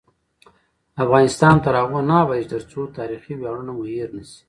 افغانستان تر هغو نه ابادیږي، ترڅو تاریخي ویاړونه مو هیر نشي.